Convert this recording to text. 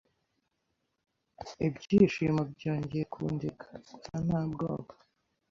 Ibyishimo byongeye kundeka!gusa ntabwoba